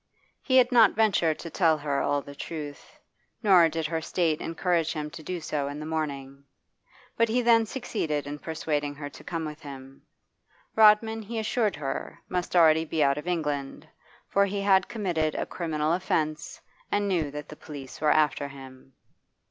He had not ventured to tell her all the truth, nor did her state encourage him to do so in the morning. But he then succeeded in persuading her to come with him; Rodman, he assured her, must already be out of England, for he had committed a criminal offence and knew that the police were after him.